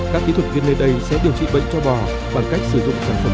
các kỹ thuật viên nơi đây sẽ điều trị bệnh cho bò bằng cách sử dụng sản phẩm